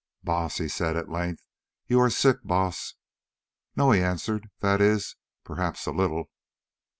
"Baas," he said at length, "you are sick, Baas." "No," he answered, "that is, perhaps a little."